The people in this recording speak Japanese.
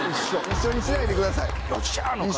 一緒にしないでください。